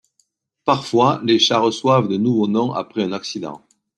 Parfois, les chats reçoivent de nouveaux noms après un accident.